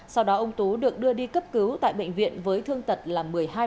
sau đó ông tú được đưa đi cấp cứu tại bệnh viện với thương tật là một mươi hai